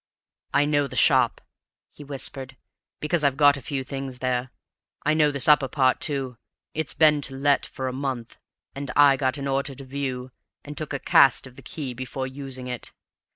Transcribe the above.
"I know the shop," he whispered, "because I've got a few things there. I know this upper part too; it's been to let for a month, and I got an order to view, and took a cast of the key before using it.